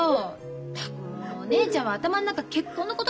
ったくもうお姉ちゃんは頭の中結婚のことしかないの？